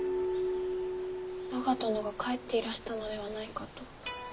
我が殿が帰っていらしたのではないかと。